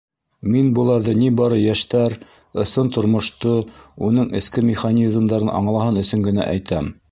Мин быларҙы ни бары йәштәр ысын тормошто, уның эске механизмдарын аңлаһын өсөн генә әйтәм.